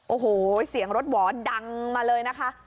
โอ้โหเสียงรถหวอนดังมาเลยนะคะ